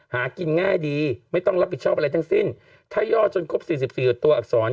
หากินง่ายดีไม่ต้องรับผิดชอบอะไรทั้งสิ้นถ้าย่อจนครบ๔๔ตัวอักษร